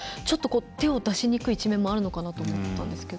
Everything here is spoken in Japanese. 手を出しにくい一面もあるのかなと思ったんですけど。